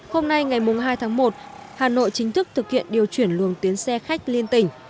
hôm nay ngày hai tháng một hà nội chính thức thực hiện điều chuyển luồng tuyến xe khách liên tỉnh